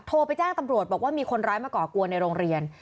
โทรไปแจ้งตำรวจบอกว่ามีคนร้ายมาก่อกวนในโรงเรียน